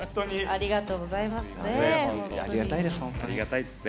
ありがたいです。